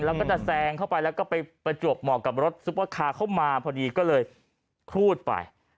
แล้วก็จะแซงเข้าไปแล้วก็ไปประจวบเหมาะกับรถซุปเปอร์คาร์เข้ามาพอดีก็เลยครูดไป